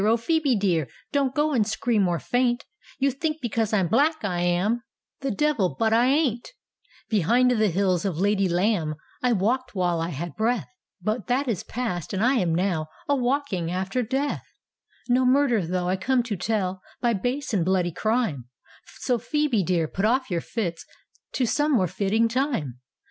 Oh, Phoebe dearl Don't go and scream or faint; You think because I'm black, I am The Devil, but I ain't I Behind the heels of Lady Lambe I walked while I had breath, But that is past, and I am now A walking after death I " No murder, though, I come to tell, By base and bloody crime; So, Phoebe dear, put off your fits To some more fitting time.